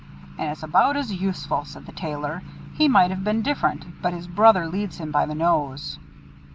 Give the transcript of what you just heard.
"And is about as useful," said the Tailor. "He might have been different, but his brother leads him by the nose."